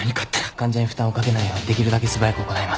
患者に負担をかけないようできるだけ素早く行います。